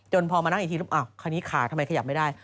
พอมานั่งอีกทีคราวนี้ขาทำไมขยับไม่ได้